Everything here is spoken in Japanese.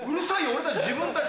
俺たち自分たちで。